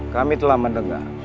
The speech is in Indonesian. kami telah mendengar